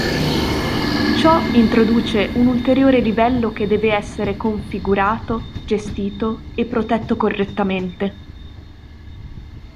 Ciò introduce un ulteriore livello che deve essere configurato, gestito e protetto correttamente.